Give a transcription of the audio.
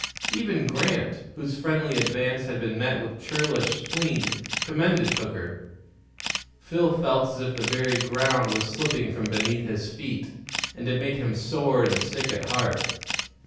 Even Grant, whose friendly advance had been met with churlish spleen, commended Hooker. Phil felt as if the very ground was slipping from beneath his feet, and it made him sore and sick at heart.